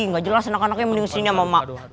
gak jelas anak anaknya mending sini ama mama